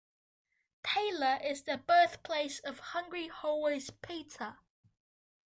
Taylor is the birthplace of Hungry Howie's Pizza.